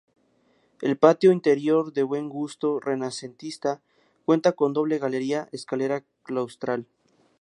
El patio interior, de buen gusto renacentista, cuenta con doble galería y escalera claustral.